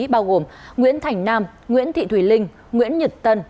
bao gồm nguyễn thành nam nguyễn thị thùy linh nguyễn nhật tân